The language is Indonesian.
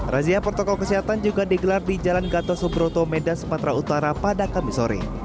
razia protokol kesehatan juga digelar di jalan gatot subroto medan sumatera utara pada kamis sore